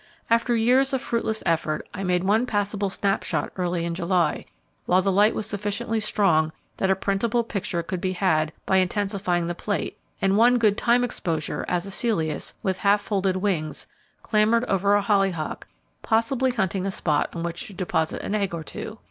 After years of fruitless effort, I made one passable snapshot early in July, while the light was sufficiently strong that a printable picture could be had by intensifying the plate, and one good time exposure as a Celeus, with half folded wings, clambered over a hollyhock, possibly hunting a spot on which to deposit an egg or two.